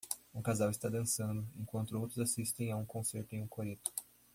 Um casal está dançando enquanto outros assistem a um concerto em um coreto.